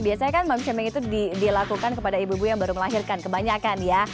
biasanya kan mom shaming itu dilakukan kepada ibu ibu yang baru melahirkan kebanyakan ya